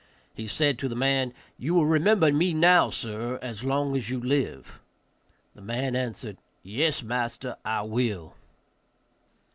He said to the man, "You will remember me now, sir, as long as you live." The man answered, "Yes, master, I will."